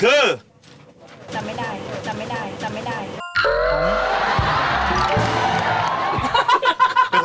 อันนี้หนูขายเท่าไหร่ลูก